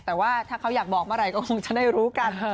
แต่ว่าถ้าเขาอยากบอกเมื่อไหร่ก็คงจะได้รู้กัน